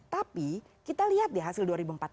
tapi kita lihat di hasil dua ribu empat belas